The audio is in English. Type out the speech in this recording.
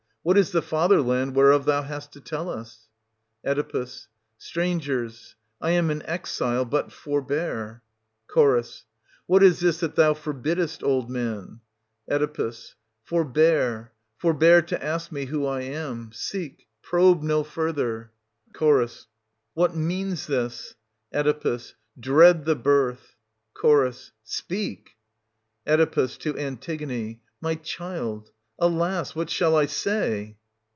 What is the fatherland whereof thou hast to tell us } Oe. Strangers, I am an exile — but forbear Ch. What is this that thou forbiddest, old man } 210 Oe. forbear, forbear to ask me who I am ;— seek — probe — no further ! Cli. What means this } Oe. Dread the birth... Ch. Speak ! Oe. {to Antigone^. My child — alas !— what shall I say?